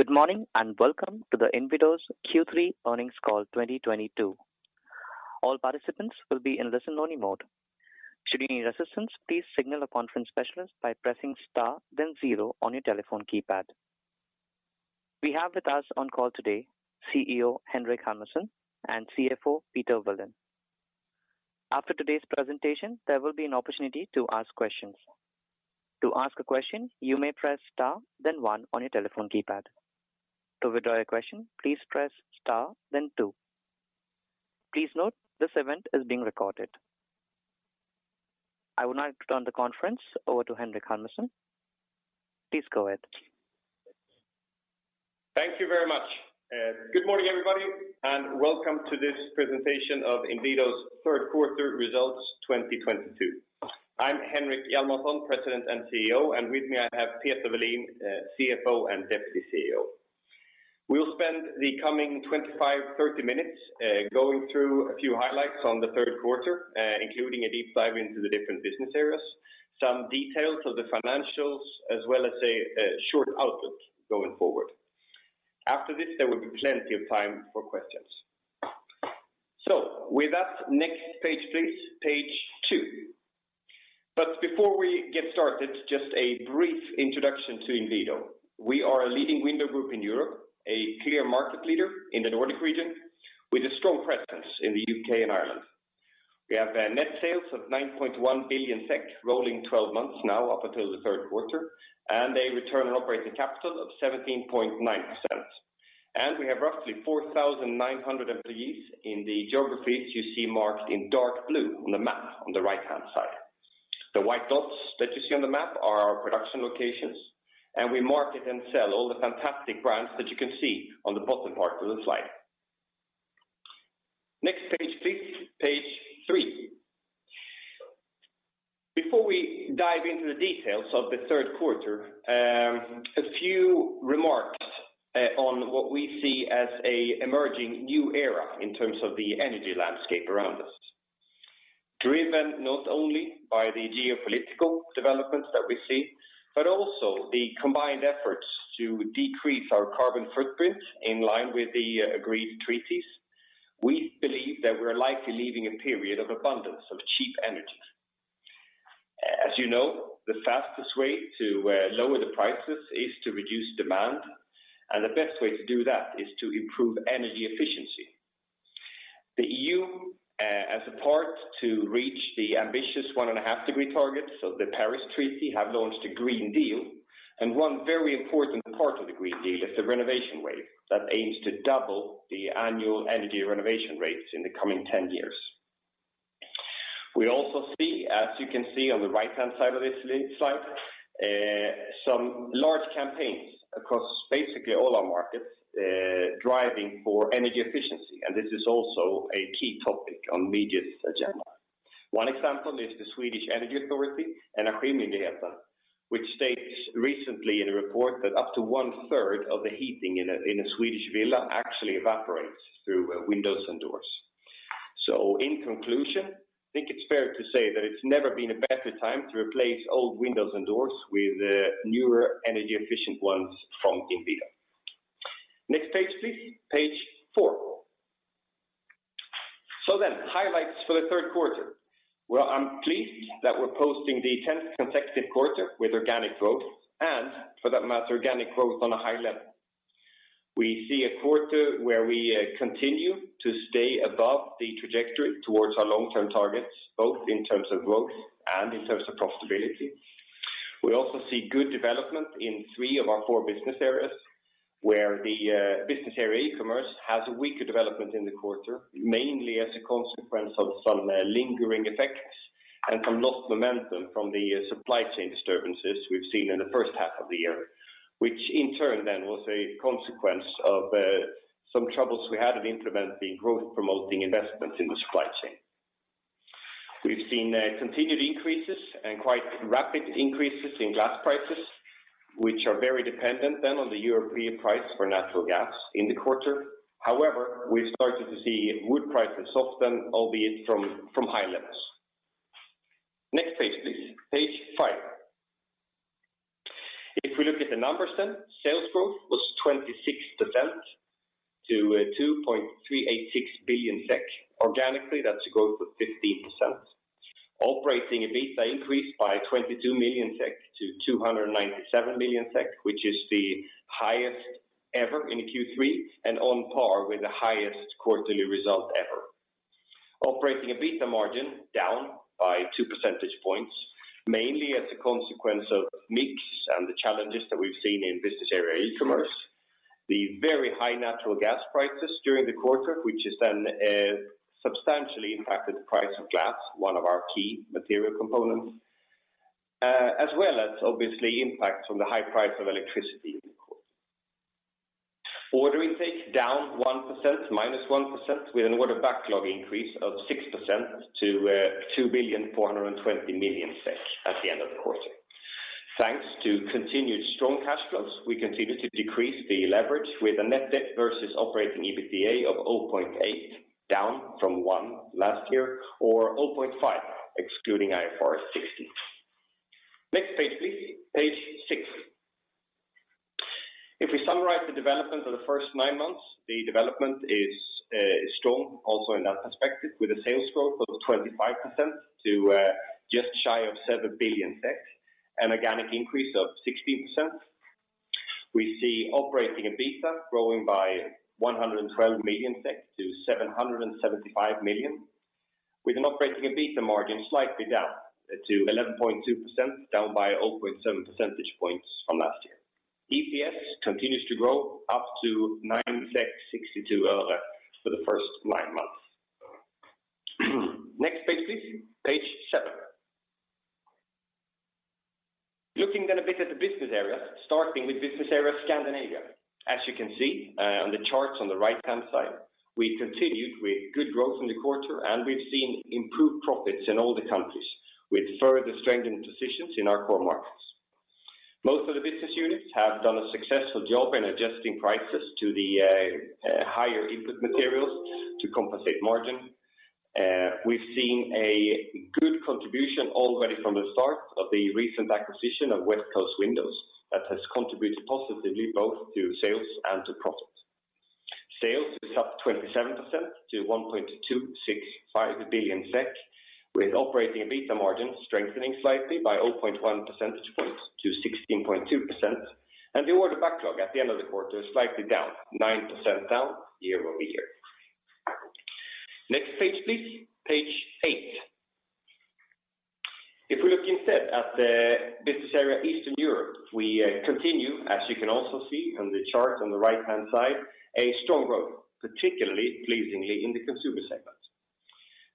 Good morning and welcome to Inwido's Q3 Earnings Call 2022. All participants will be in listen only mode. Should you need assistance, please signal a conference specialist by pressing star then zero on your telephone keypad. We have with us on call today, CEO Henrik Hjalmarsson and CFO Peter Welin. After today's presentation, there will be an opportunity to ask questions. To ask a question, you may press star then one on your telephone keypad. To withdraw your question, please press star then two. Please note this event is being recorded. I would like to turn the conference over to Henrik Hjalmarsson. Please go ahead. Thank you very much. Good morning, everybody, and welcome to this presentation of Inwido's third quarter results 2022. I'm Henrik Hjalmarsson, President and CEO, and with me, I have Peter Welin, CFO and Deputy CEO. We'll spend the coming 25-30 minutes going through a few highlights on the third quarter, including a deep dive into the different business areas, some details of the financials, as well as a short outlook going forward. After this, there will be plenty of time for questions. With that, next page, please. Page two. Before we get started, just a brief introduction to Inwido. We are a leading window group in Europe, a clear market leader in the Nordic region with a strong presence in the U.K. and Ireland. We have net sales of 9.1 billion SEK, rolling 12 months now up until the third quarter, and a return on operating capital of 17.9%. We have roughly 4,900 employees in the geographies you see marked in dark blue on the map on the right-hand side. The white dots that you see on the map are our production locations, and we market and sell all the fantastic brands that you can see on the bottom part of the slide. Next page, please. Page 3. Before we dive into the details of the third quarter, a few remarks on what we see as an emerging new era in terms of the energy landscape around us. Driven not only by the geopolitical developments that we see, but also the combined efforts to decrease our carbon footprint in line with the agreed treaties. We believe that we're likely leaving a period of abundance of cheap energy. As you know, the fastest way to lower the prices is to reduce demand, and the best way to do that is to improve energy efficiency. The EU, as a part to reach the ambitious 1.5-degree target, so the Paris Agreement have launched a Green Deal, and one very important part of the Green Deal is the Renovation Wave that aims to double the annual energy renovation rates in the coming 10 years. We also see, as you can see on the right-hand side of this slide, some large campaigns across basically all our markets, driving for energy efficiency. This is also a key topic on media's agenda. One example is the Swedish Energy Agency, Energimyndigheten, which states recently in a report that up to one-third of the heating in a Swedish villa actually evaporates through windows and doors. In conclusion, I think it's fair to say that it's never been a better time to replace old windows and doors with newer energy efficient ones from Inwido. Next page, please. Page four. Highlights for the third quarter. Well, I'm pleased that we're posting the tenth consecutive quarter with organic growth and for that matter, organic growth on a high level. We see a quarter where we continue to stay above the trajectory towards our long-term targets, both in terms of growth and in terms of profitability. We also see good development in three of our four business areas, where the business area e-commerce has a weaker development in the quarter, mainly as a consequence of some lingering effects and some lost momentum from the supply chain disturbances we've seen in the first half of the year, which in turn then was a consequence of some troubles we had in implementing growth-promoting investments in the supply chain. We've seen continued increases and quite rapid increases in glass prices, which are very dependent on the European price for natural gas in the quarter. However, we've started to see wood prices soften, albeit from high levels. Next page, please. Page five. If we look at the numbers then, sales growth was 26% to 2.386 billion SEK. Organically, that's a growth of 15%. Operating EBITDA increased by 22 million SEK to 297 million SEK, which is the highest ever in a Q3 and on par with the highest quarterly result ever. Operating EBITDA margin down by 2 percentage points, mainly as a consequence of mix and the challenges that we've seen in business area e-commerce. The very high natural gas prices during the quarter, which has then substantially impacted the price of glass, one of our key material components, as well as obviously the impact from the high price of electricity. Order intake down 1%, -1% with an order backlog increase of 6% to 2.42 billion at the end of the quarter. Thanks to continued strong cash flows, we continue to decrease the leverage with a net debt versus Operating EBITDA of 0.8, down from 1 last year, or 0.5, excluding IFRS 16. Next page, please. Page six. If we summarize the development of the first nine months, the development is strong also in that perspective, with a sales growth of 25% to just shy of 7 billion, an organic increase of 16%. We see Operating EBITDA growing by 112 million to 775 million, with an Operating EBITDA margin slightly down to 11.2%, down by 0.7 percentage points from last year. EPS continues to grow up to 9.62 for the first nine months. Next page, please. Page seven. Looking a bit at the business areas, starting with business area Scandinavia. As you can see, on the charts on the right-hand side, we continued with good growth in the quarter, and we've seen improved profits in all the countries, with further strengthened positions in our core markets. Most of the business units have done a successful job in adjusting prices to the higher input materials to compensate margin. We've seen a good contribution already from the start of the recent acquisition of Westcoast Windows that has contributed positively both to sales and to profit. Sales is up 27% to 1.265 billion SEK, with Operating EBITDA margin strengthening slightly by 0.1 percentage points to 16.2%. The order backlog at the end of the quarter is slightly down, 9% down year-over-year. Next page, please. Page eight. If we look instead at the business area Eastern Europe, we continue, as you can also see on the chart on the right-hand side, a strong growth, particularly pleasingly in the consumer segment.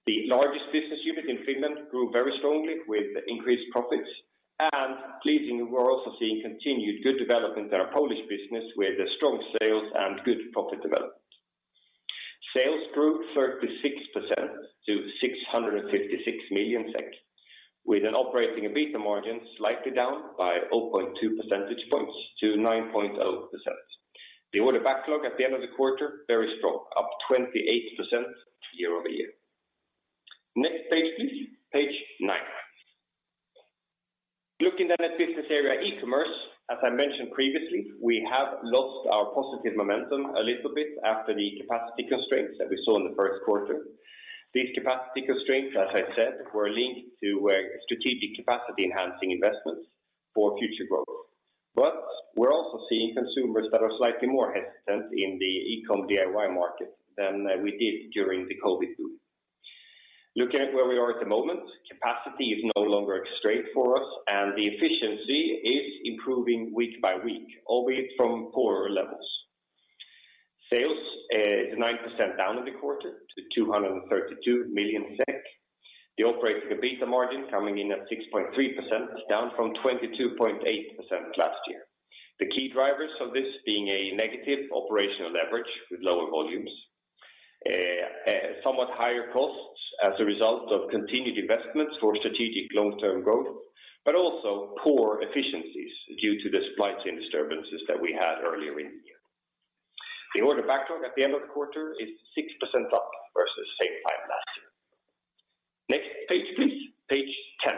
The largest business unit in Finland grew very strongly with increased profits. Pleasing, we're also seeing continued good development in our Polish business with strong sales and good profit development. Sales grew 36% to 656 million SEK, with an Operating EBITDA margin slightly down by 0.2 percentage points to 9.0%. The order backlog at the end of the quarter, very strong, up 28% year-over-year. Next page, please. Page nine. Looking at business area e-commerce, as I mentioned previously, we have lost our positive momentum a little bit after the capacity constraints that we saw in the first quarter. These capacity constraints, as I said, were linked to a strategic capacity-enhancing investments for future growth. We're also seeing consumers that are slightly more hesitant in the e-commerce DIY market than we did during the COVID boom. Looking at where we are at the moment, capacity is no longer a constraint for us, and the efficiency is improving week by week, albeit from poorer levels. Sales is 9% down in the quarter to 232 million SEK. The operating EBITDA margin coming in at 6.3%, down from 22.8% last year. The key drivers of this being a negative operational leverage with lower volumes, somewhat higher costs as a result of continued investments for strategic long-term growth, but also poor efficiencies due to the supply chain disturbances that we had earlier in the year. The order backlog at the end of the quarter is 6% up versus same time last year. Next page, please. Page 10.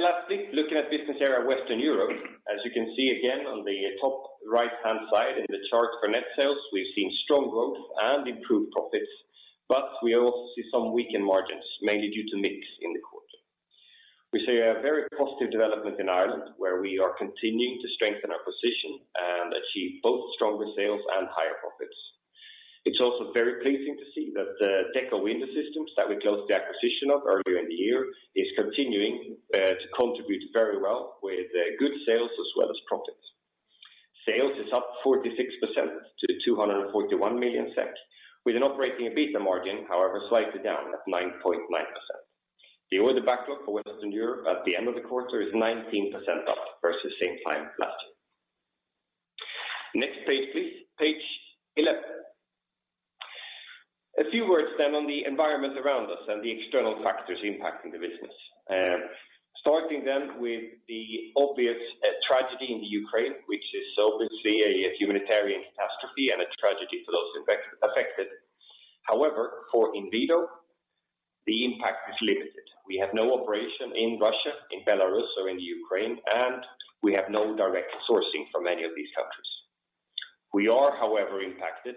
Lastly, looking at business area Western Europe, as you can see again on the top right-hand side in the chart for net sales, we've seen strong growth and improved profits, but we also see some weakened margins, mainly due to mix in the quarter. We see a very positive development in Ireland, where we are continuing to strengthen our position and achieve both stronger sales and higher profits. It's also very pleasing to see that the Dekko Window Systems that we closed the acquisition of earlier in the year is continuing to contribute very well with good sales as well as profits. Sales is up 46% to 241 million SEK, with an operating EBITDA margin, however, slightly down at 9.9%. The order backlog for Western Europe at the end of the quarter is 19% up versus same time last year. Next page, please. Page eleven. A few words then on the environment around us and the external factors impacting the business. Starting then with the obvious tragedy in the Ukraine, which is obviously a humanitarian catastrophe and a tragedy for those affected. However, for Inwido, the impact is limited. We have no operation in Russia, in Belarus, or in the Ukraine, and we have no direct sourcing from any of these countries. We are, however, impacted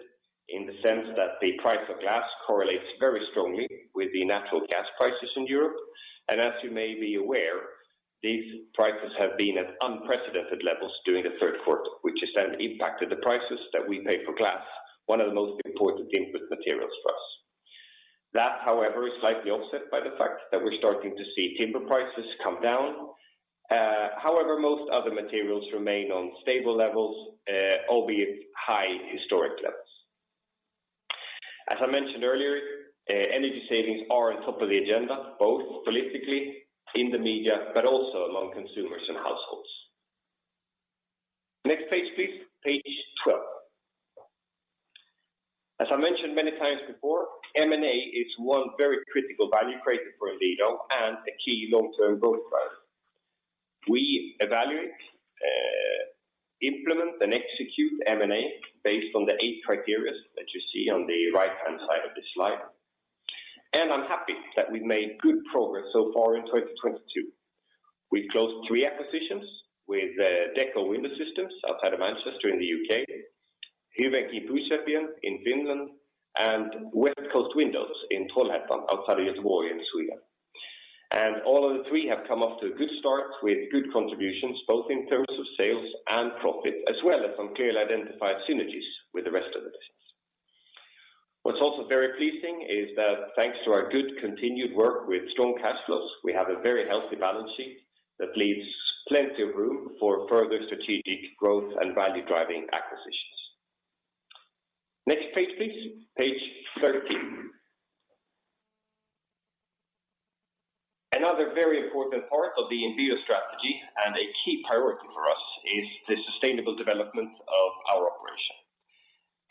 in the sense that the price of glass correlates very strongly with the natural gas prices in Europe. As you may be aware, these prices have been at unprecedented levels during the third quarter, which has then impacted the prices that we pay for glass, one of the most important input materials for us. That, however, is slightly offset by the fact that we're starting to see timber prices come down. However, most other materials remain on stable levels, albeit high historic levels. As I mentioned earlier, energy savings are on top of the agenda, both politically in the media, but also among consumers and households. Next page, please. Page 12. As I mentioned many times before, M&A is one very critical value creator for Inwido and a key long-term growth driver. We evaluate, implement and execute M&A based on the eight criteria that you see on the right-hand side of this slide. I'm happy that we've made good progress so far in 2022. We've closed three acquisitions with Dekko Window Systems outside of Manchester in the U.K., Hyvinkään Puuseppien in Finland, and Westcoast Windows in Trollhättan outside of Göteborg in Sweden. All of the three have come off to a good start with good contributions, both in terms of sales and profit, as well as some clearly identified synergies with the rest of the business. What's also very pleasing is that thanks to our good continued work with strong cash flows, we have a very healthy balance sheet that leaves plenty of room for further strategic growth and value-driving acquisitions. Next page, please. Page 13. Another very important part of the Inwido strategy and a key priority for us is the sustainable development of our operation.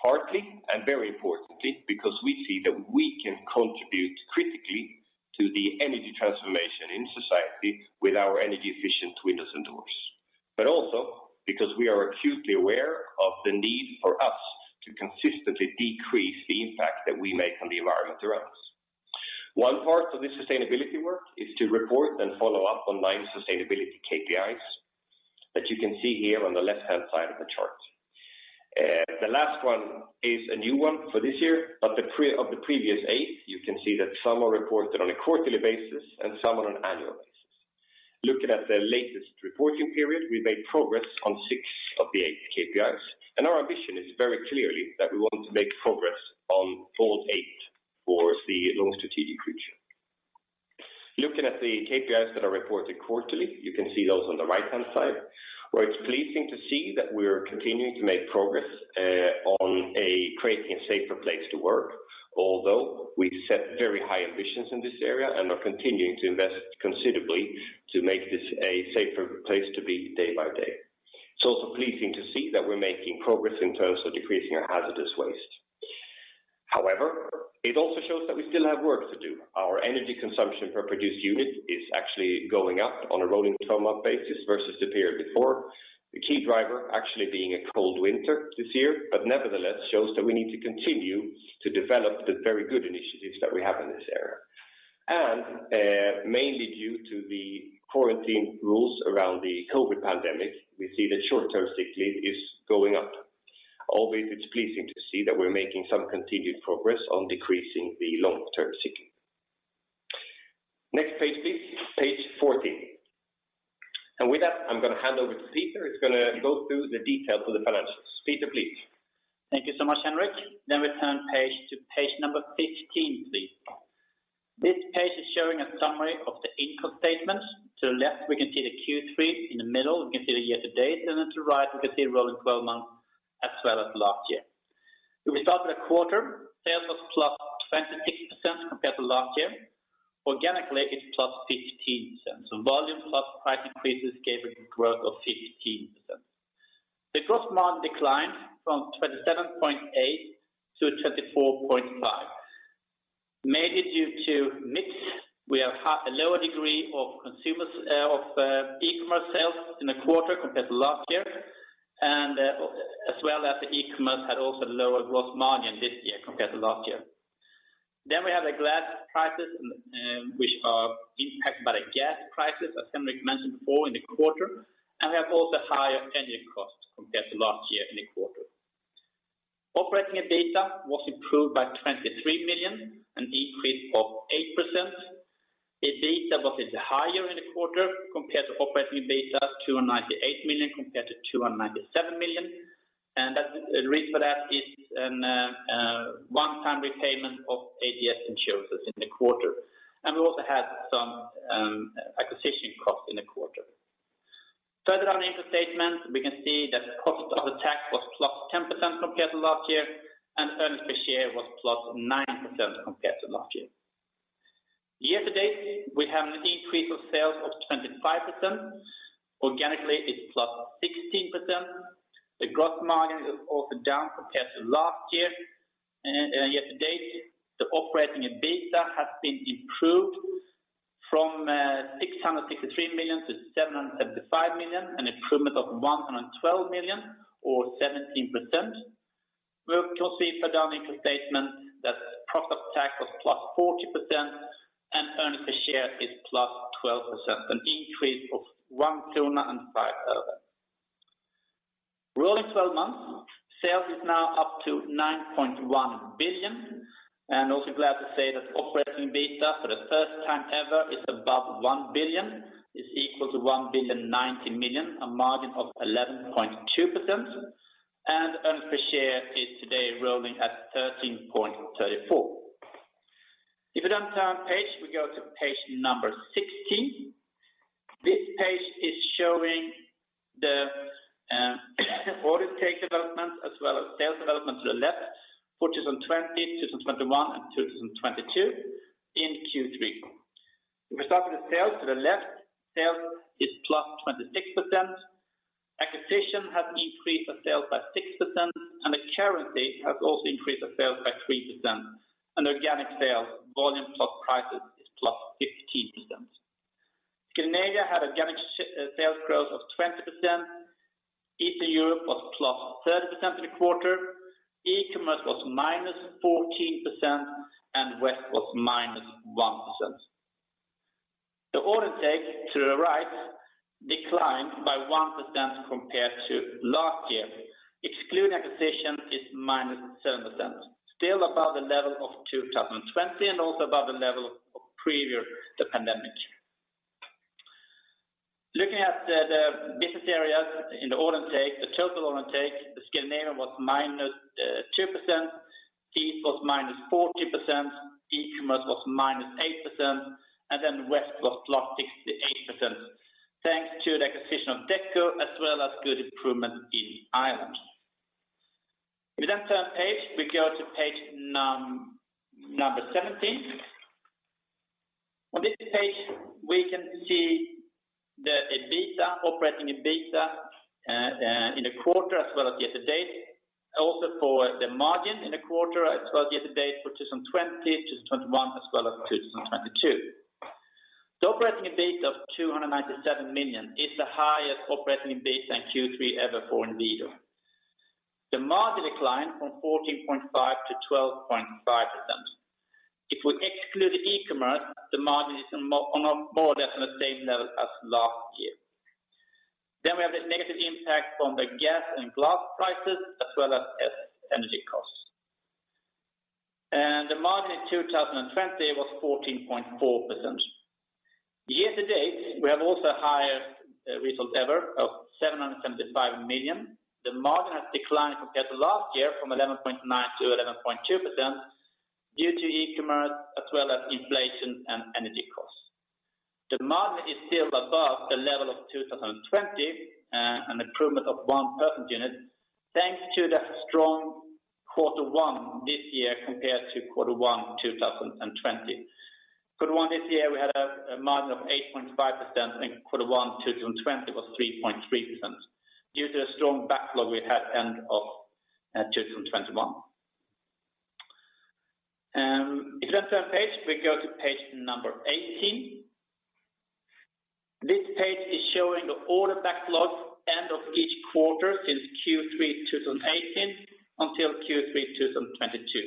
Partly, and very importantly, because we see that we can contribute critically to the energy transformation in society with our energy-efficient windows and doors. Also because we are acutely aware of the need for us to consistently decrease the impact that we make on the environment around us. One part of this sustainability work is to report and follow up on nine sustainability KPIs that you can see here on the left-hand side of the chart. The last one is a new one for this year, but the previous eight, you can see that some are reported on a quarterly basis and some on an annual basis. Looking at the latest reporting period, we made progress on six of the eight KPIs, and our ambition is very clearly that we want to make progress on all eight for the long strategic future. Looking at the KPIs that are reported quarterly, you can see those on the right-hand side, where it's pleasing to see that we are continuing to make progress on creating a safer place to work, although we've set very high ambitions in this area and are continuing to invest considerably to make this a safer place to be day by day. It's also pleasing to see that we're making progress in terms of decreasing our hazardous waste. However, it also shows that we still have work to do. Our energy consumption per produced unit is actually going up on a rolling 12-month basis versus the period before. The key driver actually being a cold winter this year, but nevertheless shows that we need to continue to develop the very good initiatives that we have in this area. Mainly due to the quarantine rules around the COVID pandemic, we see that short-term sick leave is going up. Always it's pleasing to see that we're making some continued progress on decreasing the long-term sick leave. Next page, please. Page fourteen. With that, I'm going to hand over to Peter, who's going to go through the details of the financials. Peter, please. Thank you so much, Henrik. We turn to page 15, please. This page is showing a summary of the income statements. To the left, we can see the Q3. In the middle, we can see the year to date. To the right, we can see rolling 12 months as well as last year. If we start with a quarter, sales was +26% compared to last year. Organically, it's +15%. Volume plus price increases gave a growth of 15%. The gross margin declined from 27.8% to 24.5%, mainly due to mix. We have a lower degree of consumer e-commerce sales in the quarter compared to last year, and as well as the e-commerce had also lower gross margin this year compared to last year. We have the glass prices, which are impacted by the gas prices, as Henrik mentioned before in the quarter. We have also higher energy costs compared to last year in the quarter. Operating EBITDA was improved by 23 million, an increase of 8%. EBITDA was higher in the quarter compared to operating EBITDA, 298 million compared to 297 million. The reason for that is a one-time repayment of AFA insurances in the quarter. We also had some acquisition costs in the quarter. Further on the income statement, we can see that tax cost was +10% compared to last year, and earnings per share was +9% compared to last year. Year to date, we have an increase of sales of 25%. Organically, it's +16%. The gross margin is also down compared to last year. Year to date, the operating EBITDA has been improved from 663 million to 775 million, an improvement of 112 million or 17%. We can also see further down the income statement that profit after tax was +40% and earnings per share is +12%, an increase of 1.05. Rolling 12 months, sales is now up to 9.1 billion. Also glad to say that operating EBITDA for the first time ever is above 1 billion. It's equal to 1.09 billion, a margin of 11.2%. Earnings per share is today rolling at 13.34. If we then turn page, we go to page 16. This page is showing the order take development as well as sales development to the left for 2020, 2021, and 2022 in Q3. If we start with sales to the left, sales is +26%. Acquisition has increased the sales by 6% and the currency has also increased the sales by 3% and organic sales volume plus prices is +15%. Scandinavia had organic sales growth of 20%. Eastern Europe was +30% in the quarter. E-commerce was -14% and West was -1%. The order take to the right declined by 1% compared to last year. Excluding acquisitions is -7%, still above the level of 2020 and also above the level of previous to the pandemic. Looking at the business areas in the order intake, the total order intake in Scandinavia was -2%. East was -14%. E-commerce was -8%. West was +68% thanks to the acquisition of Dekko as well as good improvement in Ireland. We turn page, we go to page number 17. On this page, we can see the operating EBITDA in the quarter as well as year-to-date, also for the margin in the quarter as well as year-to-date for 2020, 2021, as well as 2022. The operating EBITDA of 297 million is the highest operating EBITDA in Q3 ever for Inwido. The margin declined from 14.5% to 12.5%. If we exclude e-commerce, the margin is more or less on the same level as last year. We have the negative impact from the gas and glass prices as well as energy costs. The margin in 2020 was 14.4%. Year-to-date, we have higher result ever of 775 million. The margin has declined compared to last year from 11.9% to 11.2% due to e-commerce as well as inflation and energy costs. The margin is still above the level of 2020, an improvement of one percentage unit thanks to the strong quarter one this year compared to quarter one 2020. Quarter one this year, we had a margin of 8.5%. In Q1 2020 was 3.3% due to the strong backlog we had end of 2021. If we then turn page, we go to page 18. This page is showing the order backlog end of each quarter since Q3 2018 until Q3 2022.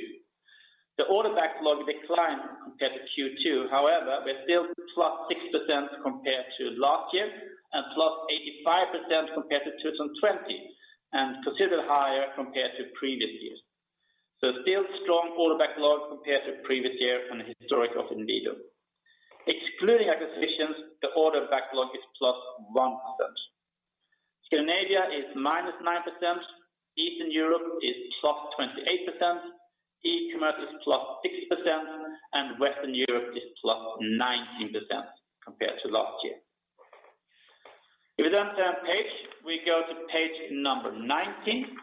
The order backlog declined compared to Q2. However, we're still +6% compared to last year and +85% compared to 2020 and considerably higher compared to previous years. Still strong order backlog compared to previous year from the historic of Inwido. Excluding acquisitions, the order backlog is +1%. Scandinavia is -9%. Eastern Europe is +28%. e-commerce is +60%, and Western Europe is +19% compared to last year. If we then turn page, we go to page 19.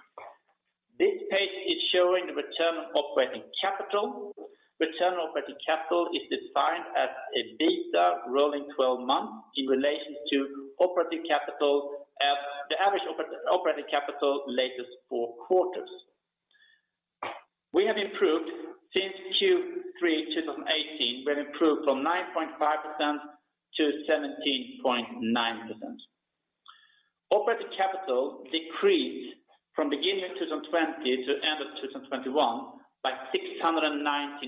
This page is showing the return on operating capital. Return on operating capital is defined as EBITDA rolling 12 months in relation to operating capital at the average operating capital latest four quarters. We have improved since Q3 2018. We have improved from 9.5% to 17.9%. Operating capital decreased from beginning of 2020 to end of 2021 by 690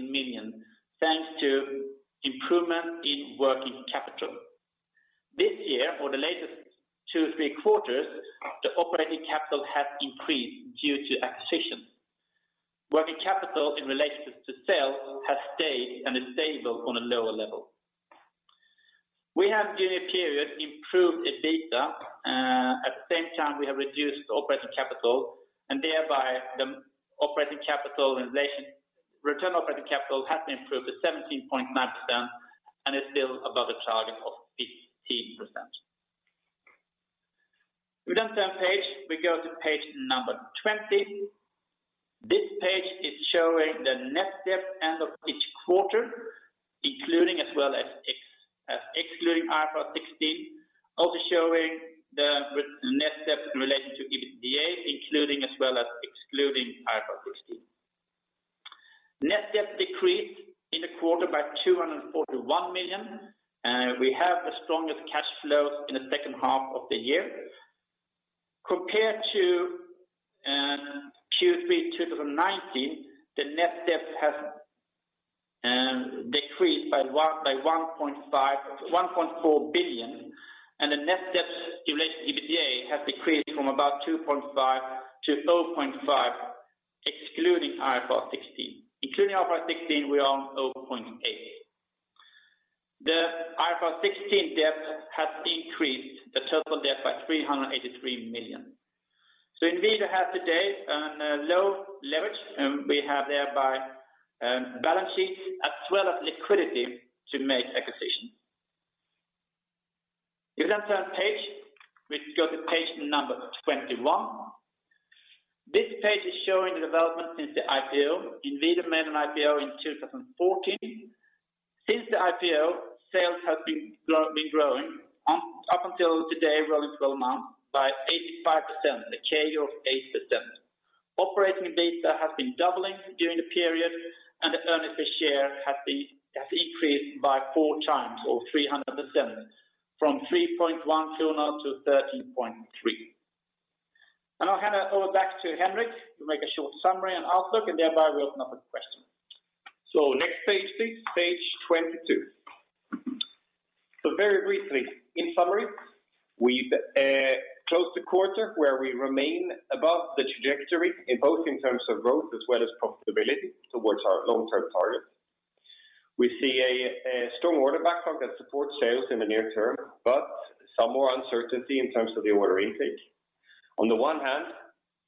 million thanks to improvement in working capital. This year, for the latest two, three quarters, the operating capital has increased due to acquisitions. Working capital in relation to sales has stayed and is stable on a lower level. We have, during the period, improved EBITDA. At the same time, we have reduced operating capital, and thereby the return on operating capital has improved to 17.9% and is still above the target of 15%. If we then turn to page, we go to page 20. This page is showing the net debt at the end of each quarter, including as well as excluding IFRS 16, also showing the net debt in relation to EBITDA, including as well as excluding IFRS 16. Net debt decreased in the quarter by 241 million. We have the strongest cash flows in the second half of the year. Compared to Q3 2019, the net debt has decreased by 1.4 billion, and the net debt to EBITDA has decreased from about 2.5 to 0.5 excluding IFRS 16. Including IFRS 16, we are on 0.8. The IFRS 16 debt has increased the total debt by 383 million. Inwido has today low leverage, and we have thereby balance sheet as well as liquidity to make acquisitions. If we turn page, we go to page 21. This page is showing the development since the IPO. Inwido made an IPO in 2014. Since the IPO, sales have been growing up until today rolling 12 months by 85%, a CAGR of 8%. Operating EBITDA has been doubling during the period, and the earnings per share has increased by 4x or 300% from 3.1 to 13.3. I'll hand it over back to Henrik to make a short summary and outlook, and thereby we open up for questions. Next page please, page 22. Very briefly, in summary, we closed the quarter where we remain above the trajectory in both terms of growth as well as profitability towards our long-term target. We see a strong order backlog that supports sales in the near term, but some more uncertainty in terms of the order intake. On the one hand,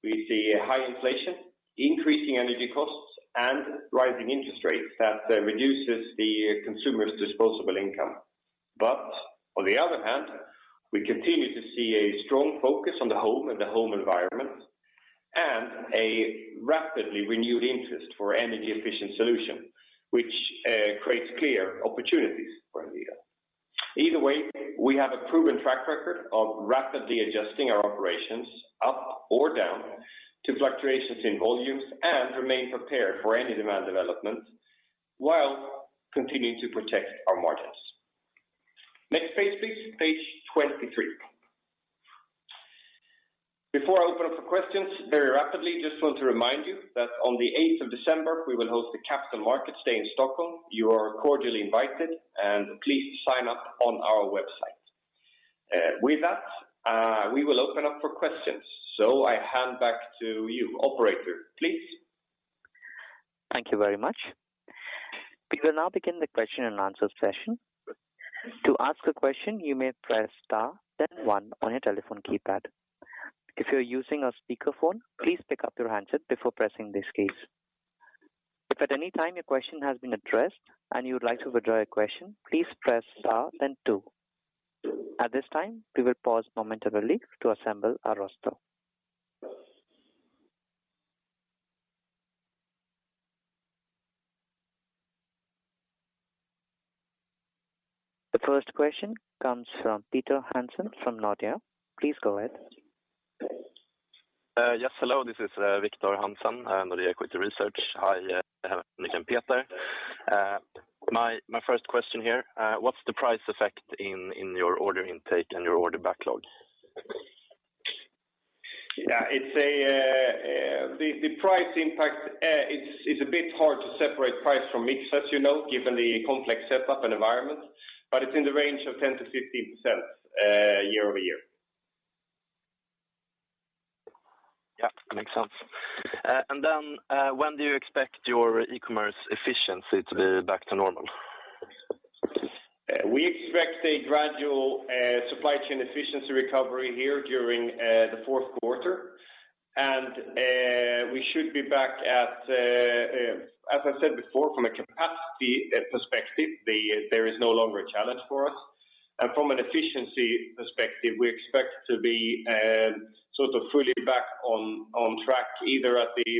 we see a high inflation, increasing energy costs and rising interest rates that reduces the consumer's disposable income. On the other hand, we continue to see a strong focus on the home and the home environment and a rapidly renewed interest for energy efficient solution, which creates clear opportunities for Inwido. Either way, we have a proven track record of rapidly adjusting our operations up or down to fluctuations in volumes and remain prepared for any demand development while continuing to protect our margins. Next page, please. Page 23. Before I open up for questions very rapidly, just want to remind you that on the eighth of December, we will host the Capital Markets Day in Stockholm. You are cordially invited, and please sign up on our website. With that, we will open up for questions. I hand back to you, operator, please. Thank you very much. We will now begin the question and answer session. To ask a question, you may press star then one on your telephone keypad. If you're using a speakerphone, please pick up your handset before pressing these keys. If at any time your question has been addressed and you would like to withdraw your question, please press star then two. At this time, we will pause momentarily to assemble our roster. The first question comes from Victor Hansen from Nordea. Please go ahead. Yes. Hello, this is Victor Hansen, Nordea Equity Research. Hi, Henrik and Peter. My first question here, what's the price effect in your order intake and your order backlog? It's the price impact. It's a bit hard to separate price from mix, as you know, given the complex setup and environment, but it's in the range of 10%-15%, year-over-year. Yeah, that makes sense. When do you expect your e-commerce efficiency to be back to normal? We expect a gradual supply chain efficiency recovery here during the fourth quarter. We should be back at, as I said before, from a capacity perspective. There is no longer a challenge for us. From an efficiency perspective, we expect to be sort of fully back on track either at the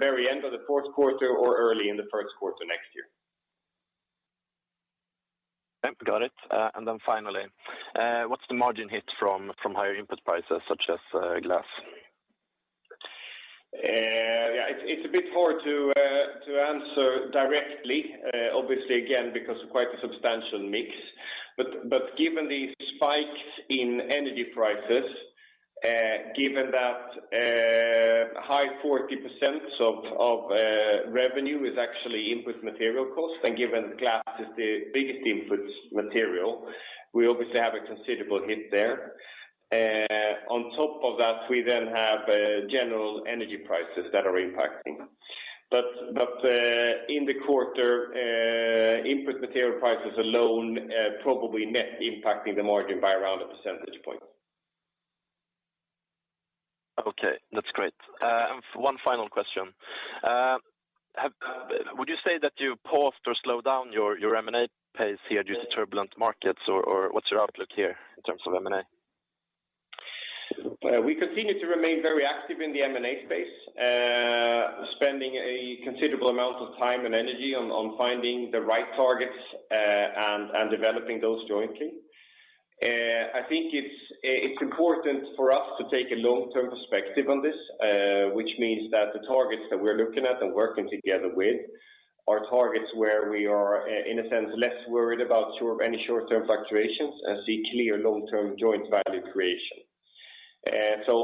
very end of the fourth quarter or early in the first quarter next year. Yep, got it. Finally, what's the margin hit from higher input prices such as glass? Yeah, it's a bit hard to answer directly, obviously again, because of quite a substantial mix. Given the spikes in energy prices, given that high 40% of revenue is actually input material costs, and given glass is the biggest input material, we obviously have a considerable hit there. On top of that, we then have general energy prices that are impacting. In the quarter, input material prices alone probably net impacting the margin by around a percentage point. Okay, that's great. One final question. Would you say that you paused or slowed down your M&A pace here due to turbulent markets or what's your outlook here in terms of M&A? We continue to remain very active in the M&A space, spending a considerable amount of time and energy on finding the right targets, and developing those jointly. I think it's important for us to take a long-term perspective on this, which means that the targets that we're looking at and working together with are targets where we are in a sense, less worried about any short-term fluctuations and see clear long-term joint value creation.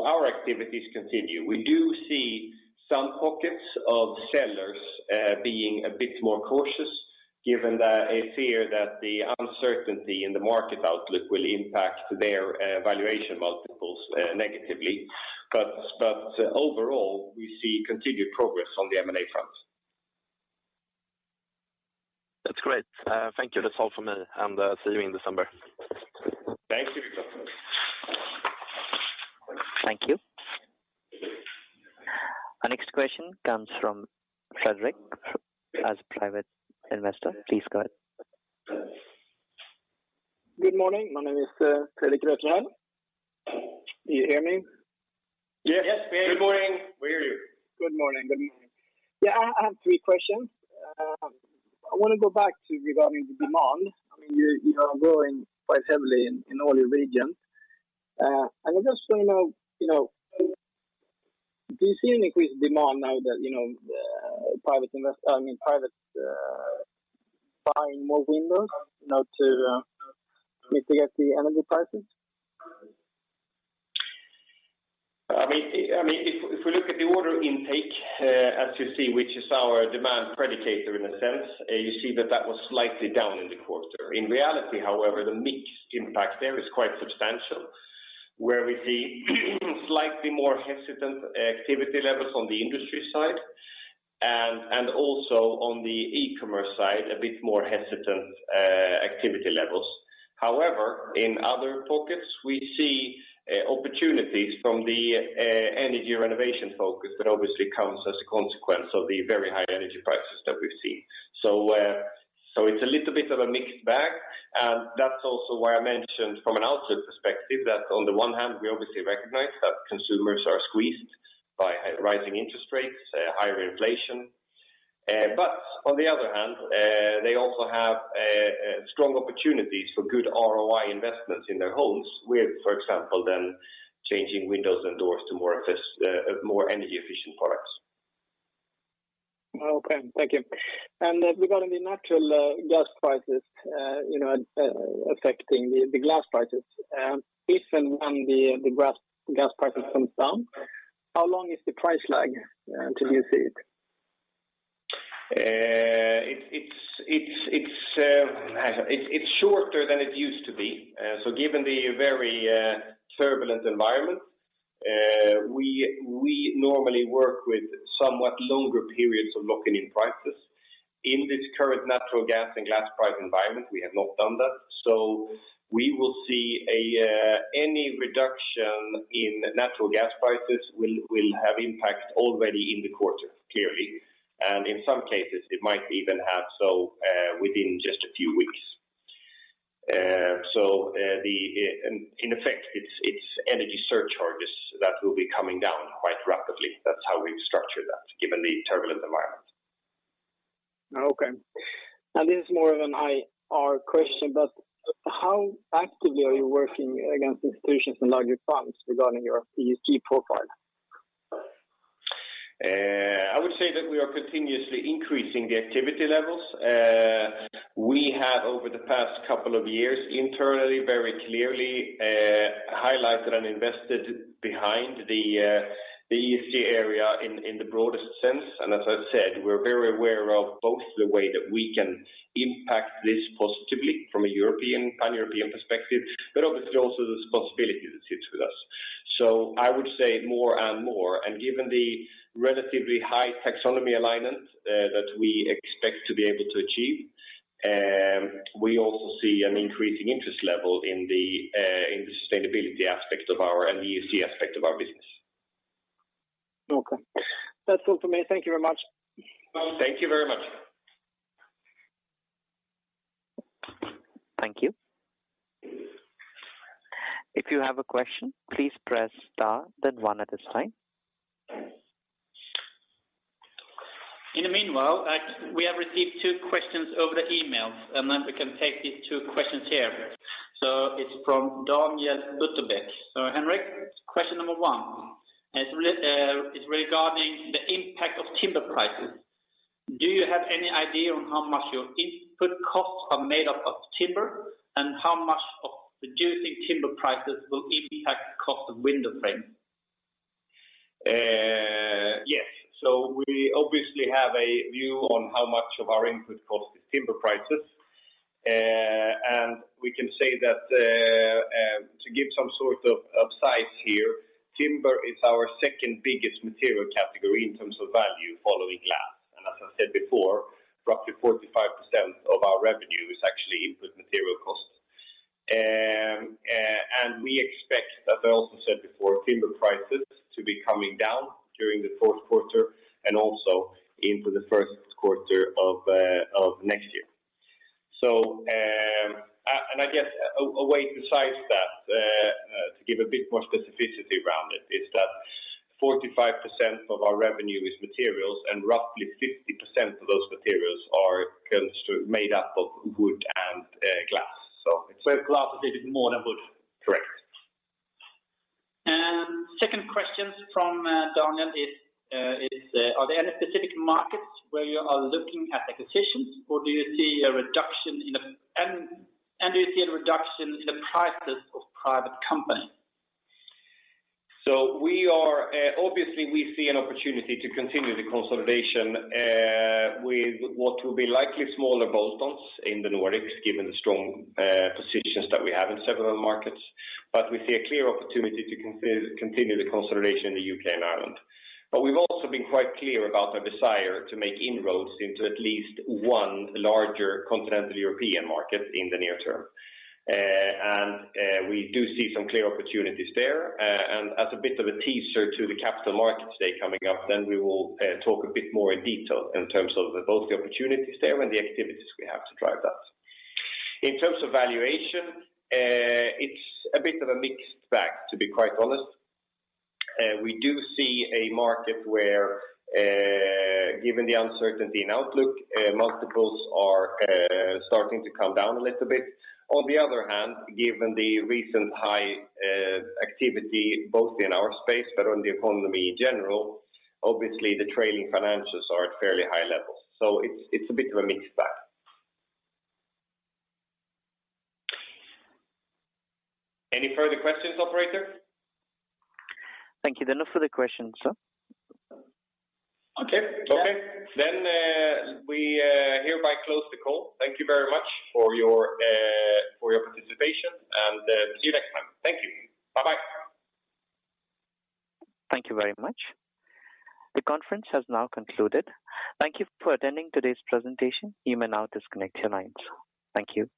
Our activities continue. We do see some pockets of sellers being a bit more cautious given that a fear that the uncertainty in the market outlook will impact their valuation multiples negatively. Overall, we see continued progress on the M&A front. That's great. Thank you. That's all from me, and see you in December. Thank you, Victor. Thank you. Our next question comes from Fredrik as a private investor. Please go ahead. Good morning. My name is, Fredrik Gretland. Do you hear me? Yes, we hear you. Good morning. We hear you. Good morning. Good morning. Yeah, I have three questions. I wanna go back to regarding the demand. I mean, you're growing quite heavily in all your regions. I was just wanna know, you know, do you see an increased demand now that, you know, private buying more windows now to mitigate the energy prices? I mean, if we look at the order intake, as you see, which is our demand predictor in a sense, you see that was slightly down in the quarter. In reality however, the mix impact there is quite substantial, where we see slightly more hesitant activity levels on the industry side and also on the e-commerce side, a bit more hesitant activity levels. However, in other pockets, we see opportunities from the energy renovation focus that obviously comes as a consequence of the very high energy prices that we've seen. It's a little bit of a mixed bag, and that's also why I mentioned from an outlook perspective that on the one hand, we obviously recognize that consumers are squeezed by rising interest rates, higher inflation. On the other hand, they also have strong opportunities for good ROI investments in their homes with, for example, them changing windows and doors to more energy efficient products. Okay, thank you. Regarding the natural gas prices, you know, affecting the glass prices. If and when the gas prices comes down, how long is the price lag till you see it? It's shorter than it used to be. Given the very turbulent environment, we normally work with somewhat longer periods of locking in prices. In this current natural gas and glass price environment, we have not done that. Any reduction in natural gas prices will have impact already in the quarter, clearly. In some cases, it might even have within just a few weeks. In effect, it's energy surcharges that will be coming down quite rapidly. That's how we've structured that given the turbulent environment. Okay. This is more of an IR question, but how actively are you working against institutions and larger funds regarding your ESG profile? I would say that we are continuously increasing the activity levels. We have over the past couple of years internally very clearly highlighted and invested behind the ESG area in the broadest sense. As I said, we're very aware of both the way that we can impact this positively from a European perspective, but obviously also the responsibility that sits with us. I would say more and more. Given the relatively high taxonomy alignment that we expect to be able to achieve, we also see an increasing interest level in the sustainability aspect of our business and the ESG aspect of our business. Okay. That's all for me. Thank you very much. Thank you very much. Thank you. If you have a question, please press star then one at this time. In the meanwhile, we have received two questions over the email, and then we can take these two questions here. It's from Daniel Butterbeck. Henrik, question number one, it's regarding the impact of timber prices. Do you have any idea on how much your input costs are made up of timber and how much of reducing timber prices will impact the cost of window frames? Yes. We obviously have a view on how much of our input cost is timber prices. And we can say that, to give some sort of size here, timber is our second biggest material category in terms of value following glass. As I said before, roughly 45% of our revenue is actually input material cost. We expect, as I also said before, timber prices to be coming down during the fourth quarter and also into the first quarter of next year. I guess a way to size that, to give a bit more specificity around it, is that 45% of our revenue is materials, and roughly 50% of those materials are made up of wood and glass. Glass is a bit more than wood? Correct. Second question from Daniel. It's, are there any specific markets where you are looking at acquisitions, or do you see a reduction in the prices of private companies? We obviously see an opportunity to continue the consolidation with what will be likely smaller bolt-ons in the Nordics, given the strong positions that we have in several markets. We see a clear opportunity to continue the consolidation in the U.K. and Ireland. We've also been quite clear about the desire to make inroads into at least one larger continental European market in the near term. We do see some clear opportunities there. As a bit of a teaser to the capital market today coming up, then we will talk a bit more in detail in terms of both the opportunities there and the activities we have to drive that. In terms of valuation, it's a bit of a mixed bag, to be quite honest. We do see a market where, given the uncertainty in outlook, multiples are starting to come down a little bit. On the other hand, given the recent high activity both in our space but on the economy in general, obviously the trailing financials are at fairly high levels. It's a bit of a mixed bag. Any further questions, operator? Thank you. There are no further questions, sir. Okay. We hereby close the call. Thank you very much for your participation, and see you next time. Thank you. Bye-bye. Thank you very much. The conference has now concluded. Thank you for attending today's presentation. You may now disconnect your lines. Thank you.